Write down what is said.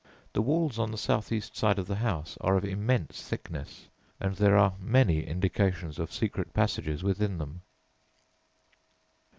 The walls on the south east side of the house are of immense thickness, and there are many indications of secret passages within them.